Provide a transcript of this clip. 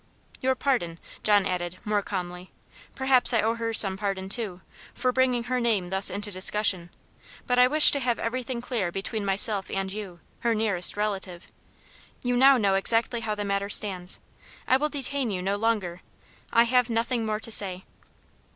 "Your pardon," John added, more calmly. "Perhaps I owe her some pardon too, for bringing her name thus into discussion; but I wished to have everything clear between myself and you, her nearest relative. You now know exactly how the matter stands. I will detain you no longer I have nothing more to say."